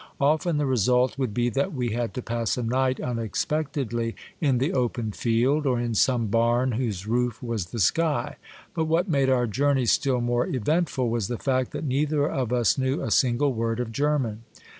Often the result would be that we had to pass a night, unexpectedly, in the open field, or in some barn whose roof was the sky, but what made our journeys still more eventful was the fact that neither of us knew a sin gle word of German.